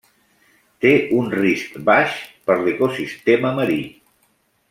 Té un risc baix per l'ecosistema marí.